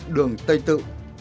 đường tây tự